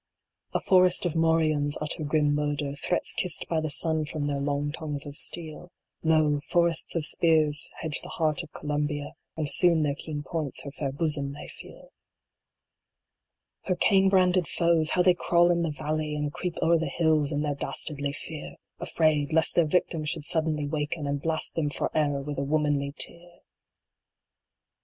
A forest of morions utter grim murder Threats kissed by the sun from their long tongues of steel ; Lo, forests of spears hedge the heart of Columbia, And soon their keen points her fair bosom may feel ! Her Cain branded foes ! How they crawl in the valley, And creep o er the hills, in their dastardly fear ! Afraid, lest their victim should suddenly waken And blast them for e er with a womanly tear !